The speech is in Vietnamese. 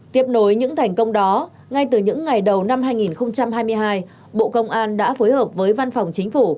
tiếp nối những thành công đó ngay từ những ngày đầu năm hai nghìn hai mươi hai bộ công an đã phối hợp với văn phòng chính phủ